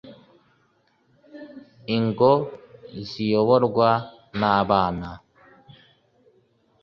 ingo ziyoborwa na bana